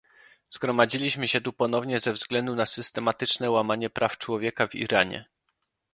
Zgromadziliśmy się tu ponownie ze względu na systematyczne łamanie praw człowieka w Iranie